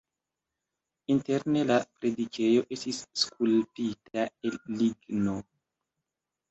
Interne la predikejo estis skulptita el ligno.